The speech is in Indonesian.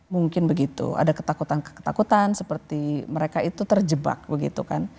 mungkin begitu ada ketakutan ketakutan seperti mereka itu terjebak begitu kan